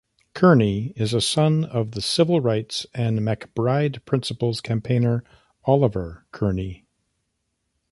Kearney is a son of the civil rights and MacBride Principles campaigner Oliver Kearney.